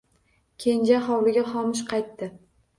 Kenja hovliga xomush qaytdi.